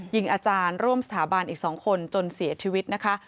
ยิงอาจารย์ร่วมสถาบันอีก๒คนจนเสียชีวิตนะคะ